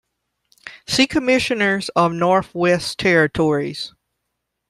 See Commissioners of Northwest Territories.